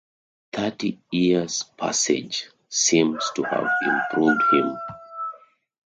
Thirty years' passage seems to have improved him.